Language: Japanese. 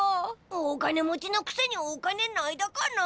大金持ちのくせにお金ないだかな？